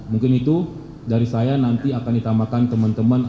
mungkin itu dari saya nanti akan ditamakan teman teman